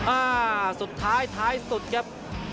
อ่าสุดท้ายท้ายสุดครับ